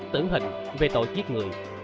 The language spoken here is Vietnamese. tử hình về tội giết người